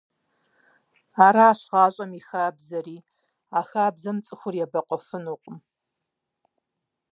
Аращ гъащӀэм и хабзэри, а хабзэм цӀыхухэр ебэкъуэфынукъым.